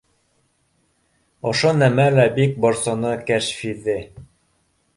Ошо нәмә лә бик борсоно Кәшфиҙе